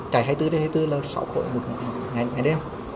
chạy hai mươi bốn h hai mươi bốn là sáu hội một ngày đêm